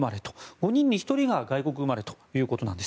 ５人に１人が外国生まれということです。